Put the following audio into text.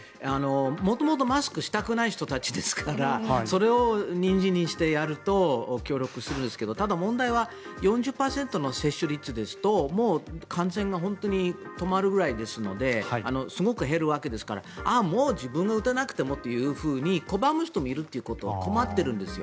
元々、マスクをしたくない人たちですからそれでやると協力するんですがただ、問題は４０％の接種率ですともう感染が本当に止まるくらいですのですごく減るわけですからもう自分が打たなくてもと拒む人もいるということは困っているんですよ。